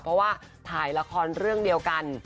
เพราะว่าถ่ายละครเรื่องเดียวกัน